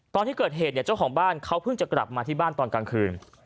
ตอนที่เกิดเหตุเนี่ยเจ้าของบ้านเขาเพิ่งจะกลับมาที่บ้านตอนกลางคืน